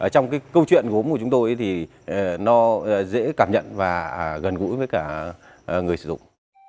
trong cái câu chuyện gốm của chúng tôi thì nó dễ cảm nhận và gần gũi với cả người sử dụng